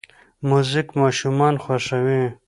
موزیک ماشومان خوښوي.